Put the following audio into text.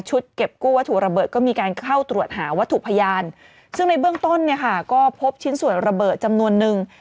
เก็บกู้วัตถุระเบิดก็มีการเข้าตรวจหาวัตถุพยานซึ่งในเบื้องต้นเนี่ยค่ะก็พบชิ้นส่วนระเบิดจำนวนนึง